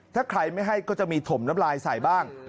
ถ้าใครไม่ให้ก็จะมีถมน้ำลายใส่บ้าง